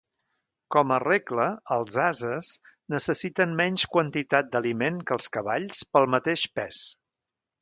Com a regla els ases necessiten menys quantitat d'aliment que els cavalls pel mateix pes.